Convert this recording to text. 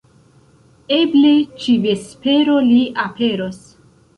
Eble ĉi-vespero li aperos